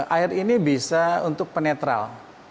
air ini bisa untuk penetral